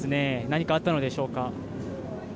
何かあったのでしょうか。